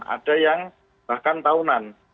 ada yang bahkan tahunan